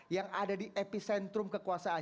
yang ada di epicentrum kekuasaan